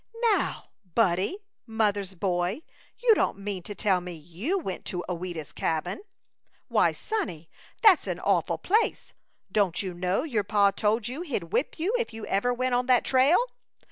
"Now, Buddie mother's boy you don't mean to tell me you went to Ouida's Cabin? Why, sonnie, that's an awful place! Don't you know your pa told you he'd whip you if you ever went on that trail?"